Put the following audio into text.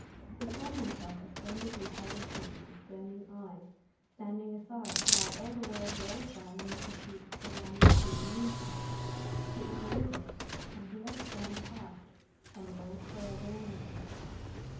He saw himself a splendidly haggard creature with burning eyes standing aside while all the world rolled by in pursuit of the one thing needful. It was a river, and he must stand parched on the bank for ever and ever.